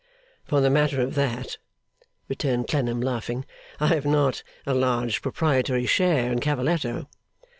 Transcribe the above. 'For the matter of that,' returned Clennam laughing, 'I have not a large proprietary share in Cavalletto.